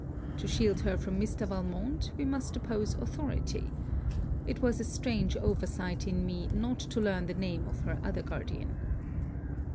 To shield her from Mr. Valmont, we must oppose authority. It was a strange over sight in me not to learn the name of her other guardian.